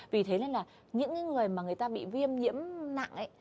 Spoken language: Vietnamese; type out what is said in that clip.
vì thế nên là những người mà người ta bị viêm nhiễm nặng ấy